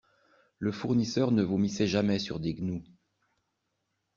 Le fournisseur ne vomissait jamais sur des gnous.